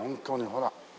ほら。